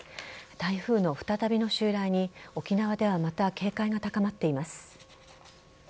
台風の再びの襲来に、沖縄ではまた警戒が高まっています。